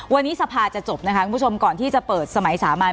วันนี้สภาจะจบนะคะคุณผู้ชมก่อนที่จะเปิดสมัยสามัญ